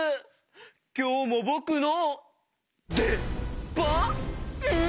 きょうもぼくのでばん？